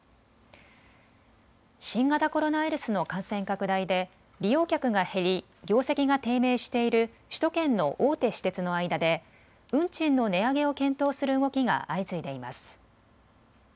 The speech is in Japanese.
新型コロナウイルスの感染拡大で利用客が減り業績が低迷している首都圏の大手私鉄の間で運賃の値上げを検討する動きが相次いでいます。